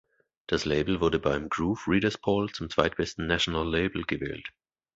Das Label wurde beim Groove Reader′s Poll zum zweitbesten "national Label" gewählt.